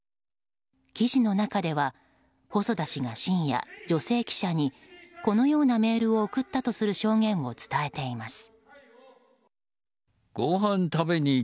記事の中では、細田氏が深夜女性記者にこのようなメールを送ったとする証言を伝えています。